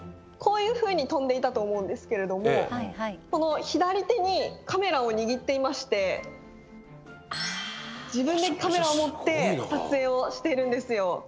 こういうふうに飛んでいたと思うんですけれどもこの左手にカメラを握っていまして自分でカメラを持って撮影をしてるんですよ。